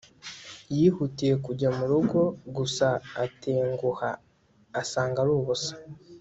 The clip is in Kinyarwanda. yihutiye kujya mu rugo gusa atenguha asanga ari ubusa